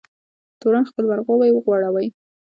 تورن خپل ورغوی وغوړوی.